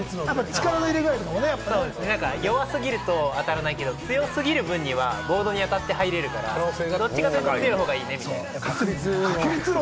弱すぎると当たらないし、強すぎる分にはボードに当たって入るから、どっちかというと強い方がいいね。